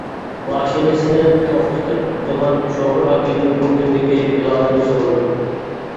ماشىنىسىنى توختىتىپ قويغان شوپۇر ئاكىدىن بۇ كۈندىكى پىلانىنى سورىدىم.